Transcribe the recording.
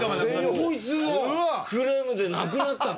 こいつのクレームでなくなったの。